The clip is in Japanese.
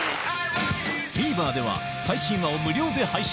ＴＶｅｒでは最新話を無料で配信